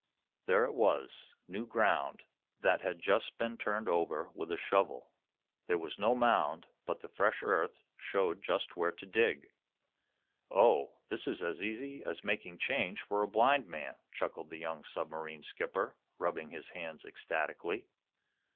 There it was new ground, that had just been turned over with a shovel. There was no mound, but the fresh earth showed just where to dig. "Oh, this is as easy as making change for a blind man!" chuckled the young submarine skipper, rubbing his hands ecstatically.